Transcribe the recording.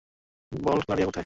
বল Claudia কোথায়?